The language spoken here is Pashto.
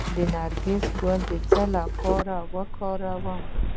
د نرګس ګل د څه لپاره وکاروم؟